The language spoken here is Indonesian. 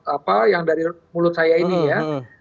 apa yang dari mulut saya ini ya